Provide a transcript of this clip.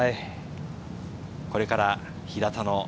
これから平田の。